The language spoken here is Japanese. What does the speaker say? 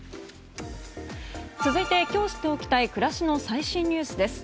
続いて今日知っておきたい暮らしの最新ニュースです。